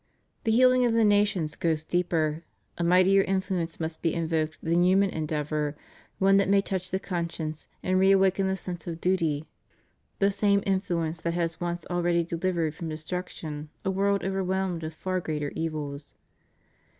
The healing of the nations goes deeper; a mightier influence must be invoked than human endeavor, one that may touch the conscience and reawaken the sense of duty, * Mark xvi. 16. 476 CHRIST OUR REDEEMER. the same influence that has once already dehvered from destruction a world overwhelmed with far greater evils.